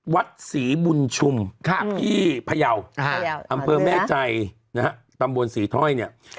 วัดสีบุญชุมพระยาวอำเภอแม่ใจตำบวนสีท้อย